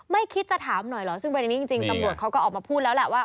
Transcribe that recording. คิดจะถามหน่อยเหรอซึ่งประเด็นนี้จริงตำรวจเขาก็ออกมาพูดแล้วแหละว่า